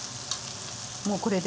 もうこれで。